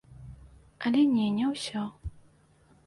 Але не, не ўсё.